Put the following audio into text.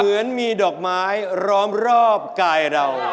เหมือนมีดอกไม้ล้อมรอบกายเรา